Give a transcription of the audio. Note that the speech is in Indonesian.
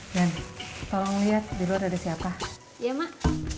dan tolong lihat dulu ada siapa ya mak